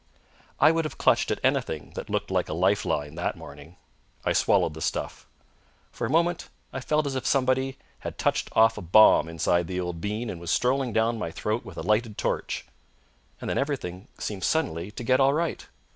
I would have clutched at anything that looked like a life line that morning. I swallowed the stuff. For a moment I felt as if somebody had touched off a bomb inside the old bean and was strolling down my throat with a lighted torch, and then everything seemed suddenly to get all right.